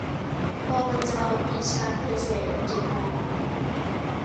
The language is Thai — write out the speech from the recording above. บมจ.ปรีชากุลเศรษฐ์บรรจุภัณฑ์